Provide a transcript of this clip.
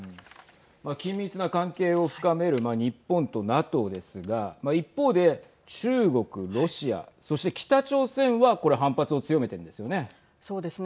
緊密な関係を深める日本とＮＡＴＯですが一方で中国、ロシアそして北朝鮮はこれ反発を強めているんですよね。